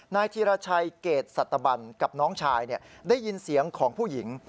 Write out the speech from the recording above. นายธีรชัยเกรดสัตบันกับน้องชายได้ยินเสียงของผู้หญิง